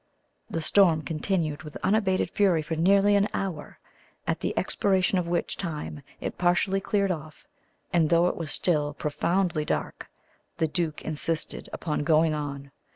The storm continued with unabated fury for nearly an hour, at the expiration of which time it partially cleared off, and though it was still profoundly dark, the duke insisted upon going on.